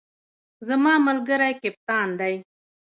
زما ملګری کپتان دی